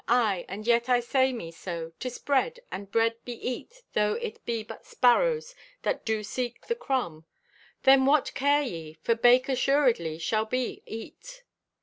Aye, and yet I say me so, 'tis bread, and bread be eat though it be but sparrows that do seek the crumb. Then what care ye? For bake asurely shall be eat!"